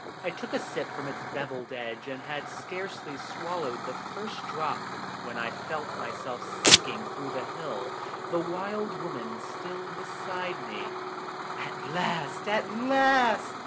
I took a sip from its bevelled edge, and had scarcely swallowed the first drop when I felt myself sinking through the hill, the Wild Woman still beside me. "At last! At last!"